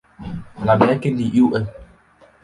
Alama yake ni µm.